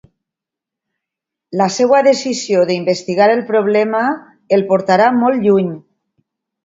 La seva decisió d'investigar el problema el portarà molt lluny.